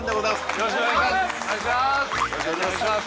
よろしくお願いします